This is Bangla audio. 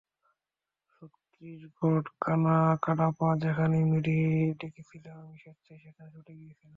ছত্রিশগড়, কাডাপা যেখানেই ডেকেছিলে আমি স্বেচ্ছায় সেখানে ছুটে গিয়েছিলাম।